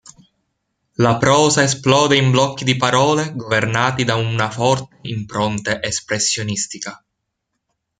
La prosa esplode in blocchi di parole governati da una forte impronta espressionistica.